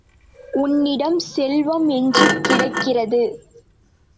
உன்னிடம் செல்வம் எஞ்சிக் கிடக்கிறது.